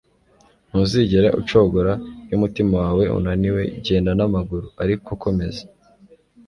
ntuzigere ucogora iyo umutima wawe unaniwe, genda n'amaguru - ariko komeza